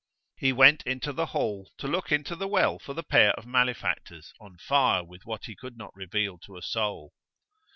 He went into the ball to look into the well for the pair of malefactors; on fire with what he could not reveal to a soul.